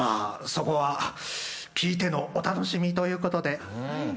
そこは聴いてのお楽しみということで。